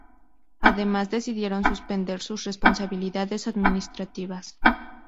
Además, decidieron suspender sus responsabilidades administrativas.